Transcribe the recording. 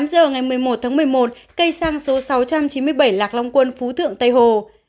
tám giờ ngày một mươi một tháng một mươi một cây xăng số sáu trăm chín mươi bảy lạc long quân phú thượng tây hồ